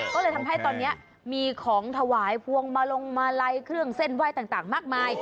ก็เลยทำให้ตอนนี้มีของถวายพวงมาลงมาลัยเครื่องเส้นไหว้ต่างมากมาย